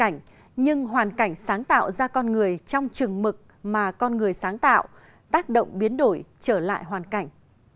con người là hoàn cảnh nhưng hoàn cảnh sáng tạo ra con người trong trừng mực mà con người sáng tạo tác động biến đổi trở lại hoàn cảnh